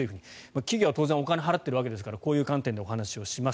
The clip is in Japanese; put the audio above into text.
企業は当然お金を払っているのでこういう観点でお話をします。